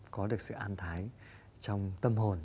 có được sự an thái trong tâm hồn